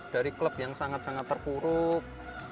dari klub yang sangat sangat terpuruk